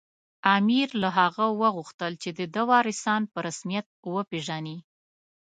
امیر له هغه وغوښتل چې د ده وارثان په رسمیت وپېژني.